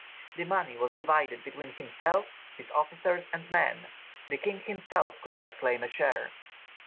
The money was divided between himself, his officers, and men; the king himself could not claim a share.